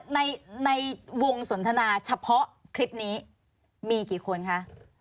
ในในวงสนทนาเฉพาะคลิปนี้มีกี่คนคะ